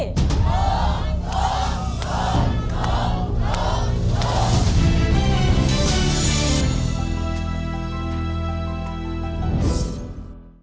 โฆษ์โฆษ์โฆษ์